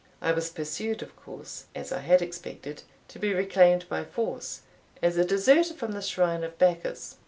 I was pursued, of course, as I had expected, to be reclaimed by force, as a deserter from the shrine of Bacchus.